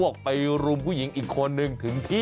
เขาไม่เล่นถึงพอ